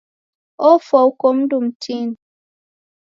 Ofwa uko mndu mtini.